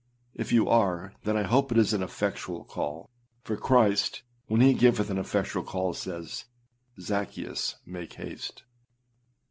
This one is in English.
â If you are, then I hope it is an effectual call, for Christ, when he giveth an effectual call, says, âZaccheus, make haste.